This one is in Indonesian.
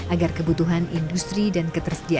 agar kebutuhan industri dan ketersediaan